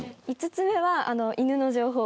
５つ目は、犬の情報。